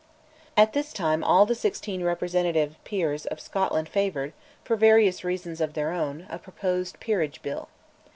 At this time all the sixteen representative peers of Scotland favoured, for various reasons of their own, a proposed Peerage Bill.